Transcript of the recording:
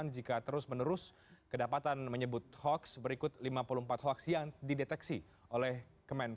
jika terus menerus kedapatan menyebut hoax berikut lima puluh empat hoax yang dideteksi oleh kemenpora